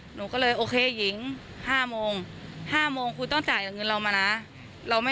หนูก็เลยโอเคหญิง๕โมง๕โมงคุณต้องจ่ายเงินเรามานะ